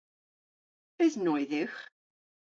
Eus noy dhywgh?